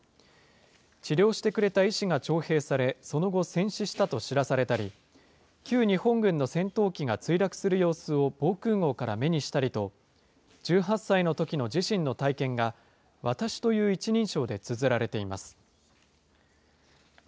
治療してくれた医師が徴兵され、その後、戦死したと知らされたり、旧日本軍の戦闘機が墜落する様子を防空ごうから目にしたりと、１８歳のときの自身の体験が、私という一人称でつづられています。